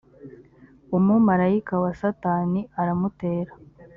umumarayika wa satani aramutera